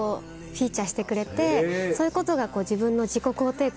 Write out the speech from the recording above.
そういうことが自分の。